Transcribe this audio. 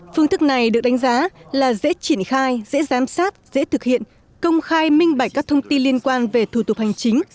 phương thức này được đánh giá là dễ triển khai dễ giám sát dễ thực hiện công khai minh bạch các thông tin liên quan về thủ tục hành chính